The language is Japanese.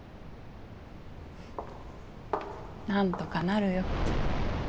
なんとかなるよ。